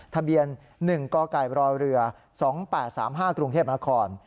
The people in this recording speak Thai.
ทะเบียน๑กกรเรือ๒๘๓๕กรุงเทพนคร